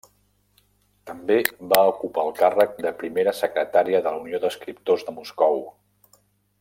També va ocupar el càrrec de Primera Secretària de la Unió d'Escriptors de Moscou.